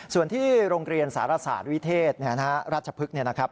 ส่วนที่โรงเรียนสารศาสตร์วิเทศราชพฤกษ์เนี่ยนะครับ